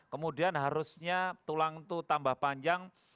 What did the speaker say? kemudian harusnya tulang itu tambah panjang